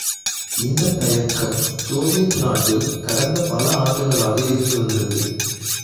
இந்தத் தயக்கம் சோவியத் நாட்டில் கடந்த பல ஆண்டுகளாக இருந்து வந்தது.